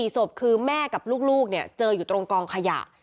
๔ศพคือแม่กับลูกเจออยู่ตรงกองขยะ